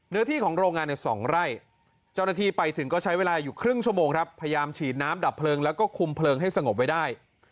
เนื้อที่ของโรงงาน๒ไร่เจ้าหน้าที่ไปถึงก็ใช้เวลาอยู่ครึ่งชั่วโมงครับพยายามฉีดน้ำดับเพลิงแล้วก็คุมเพลิงให้สงบไว้ได้